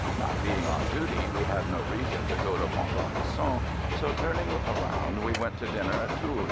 Not being on duty we had no reason to go to Pont a Mousson, so turn ing around we went to dinner at Toul.